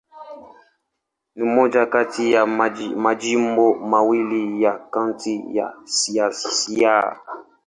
Ni moja kati ya majimbo mawili ya Kaunti ya Siaya.